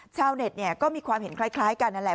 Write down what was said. ชาวเน็ตก็มีความเห็นคล้ายกันนั่นแหละ